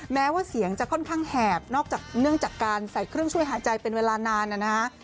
แม้ว่าเสียงจะค่อนข้างแหบนอกจากเนื่องจากการใส่เครื่องช่วยหายใจเป็นเวลานานนะฮะ